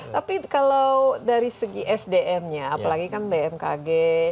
tapi kalau dari segi sdm nya apalagi kan bmkg